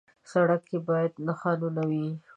سړک کې باید نښانونه وي.